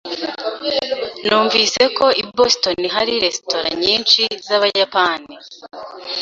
Numvise ko i Boston hari resitora nyinshi z'Abayapani.